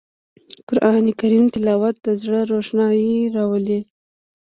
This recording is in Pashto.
قرآن کریم تلاوت د زړه روښنايي راولي